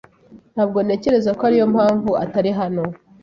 Ntabwo ntekereza ko ariyo mpamvu atari hano.